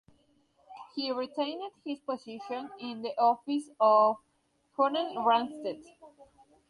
He retained his position in the office of Johan Ramstedt.